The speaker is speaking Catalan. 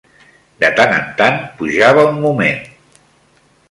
De tan en tan, pujava un moment